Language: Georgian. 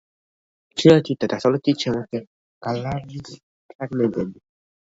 ჩრდილოეთით და დასავლეთით შემორჩა გალავნის ფრაგმენტები.